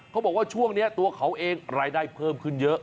เขาบอกว่าช่วงนี้ตัวเขาเองรายได้เพิ่มขึ้นเยอะ